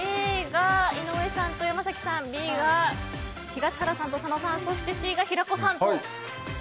Ａが井上さんと山崎さんＢが東原さんと佐野さんそしてＣが平子さん。